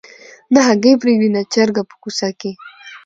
نه هګۍ پرېږدي نه چرګه په کوڅه کي